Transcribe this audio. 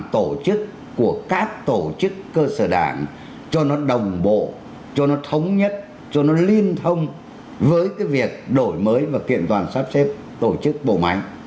tổ chức của các tổ chức cơ sở đảng cho nó đồng bộ cho nó thống nhất cho nó liên thông với cái việc đổi mới và kiện toàn sắp xếp tổ chức bộ máy